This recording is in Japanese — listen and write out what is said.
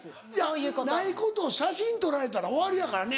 いやないことを写真撮られたら終わりやからね。